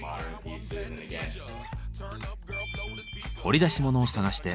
掘り出し物を探して。